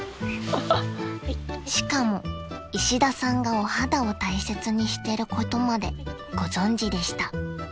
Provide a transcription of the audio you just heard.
［しかも石田さんがお肌を大切にしてることまでご存じでした］